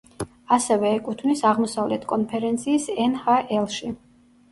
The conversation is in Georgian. ასევე ეკუთვნის აღმოსავლეთ კონფერენციის ნჰლ-ში.